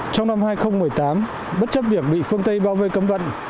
trong năm hai nghìn một mươi tám bất chấp việc bị phương tây bao vây cấm vận